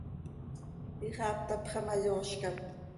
Ixaap tapxa ma, yoozcam.